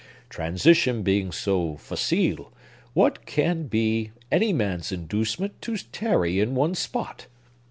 Transition being so facile, what can be any man's inducement to tarry in one spot?